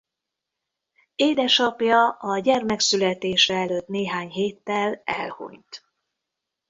Édesapja a gyermek születése előtt néhány héttel elhunyt.